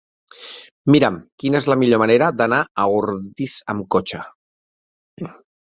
Mira'm quina és la millor manera d'anar a Ordis amb cotxe.